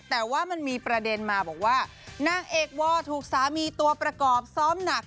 แต่ว่ามันมีประเด็นมาบอกว่านางเอกวอถูกสามีตัวประกอบซ้อมหนัก